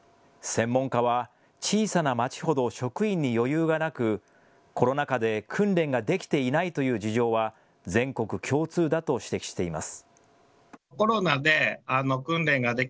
専門家は小さな町ほど職員に余裕がなく、コロナ禍で訓練ができていないという事情は全国共通だと指摘しています。